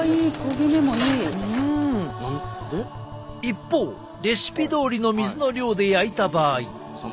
一方レシピどおりの水の量で焼いた場合。